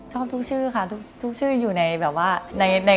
ชอบทุกชื่อค่ะทุกชื่ออยู่ในแบบว่า